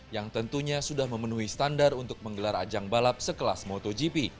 yang tentunya sudah memenuhi standar untuk menggelar ajang balap sekelas motogp